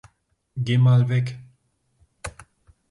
Geh mal weg.